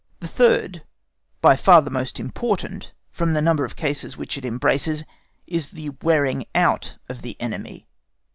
The third, by far the most important, from the great number of cases which it embraces, is the wearing out of the enemy.